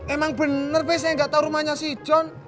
emang bener be saya gak tau rumahnya si john